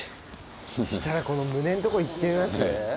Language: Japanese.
そしたらこの胸んとこ行ってみます？